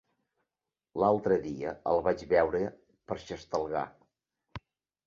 L'altre dia el vaig veure per Xestalgar.